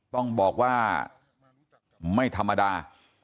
ต้องบอกว่าไม่ธรรมดา